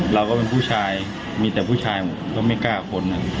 เราก็เป็นผู้ชายมีแต่ผู้ชายหมดก็ไม่กล้าคน